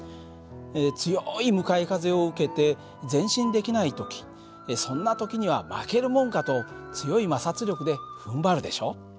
強い向かい風を受けて前進できない時そんな時には負けるもんかと強い摩擦力でふんばるでしょ？